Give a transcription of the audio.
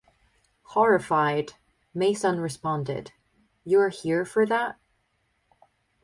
Horrified, Mason responded, You're here for that?